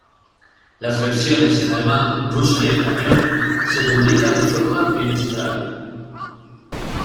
Las versiones en alemán, ruso y español se publican de forma bimestral.